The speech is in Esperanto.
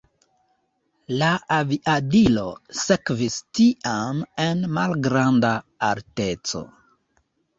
La aviadilo sekvis tien en malgranda alteco.